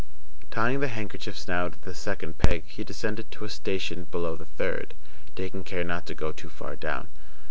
Tying the handkerchiefs now to the second peg, he descended to a station below the third, taking care not to go too far down.